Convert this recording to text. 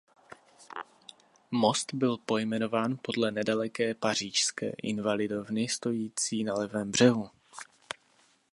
Most byl pojmenován podle nedaleké pařížské Invalidovny stojící na levém břehu.